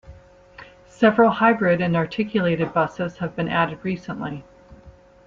Several hybrid and articulated buses have been added recently.